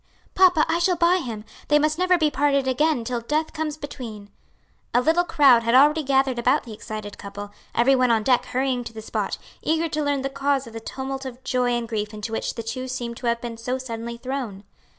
"Papa, I shall buy him! they must never be parted again till death comes between." A little crowd had already gathered about the excited couple, every one on deck hurrying to the spot, eager to learn the cause of the tumult of joy and grief into which the two seemed to have been so suddenly thrown.